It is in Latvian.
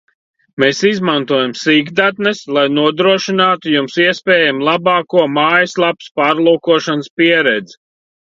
Mēs izmantojam sīkdatnes, lai nodrošinātu Jums iespējami labāko mājaslapas pārlūkošanas pieredzi